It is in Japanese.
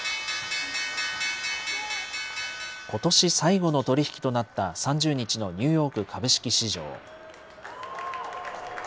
ことし最後の取り引きとなった３０日のニューヨーク株式市場。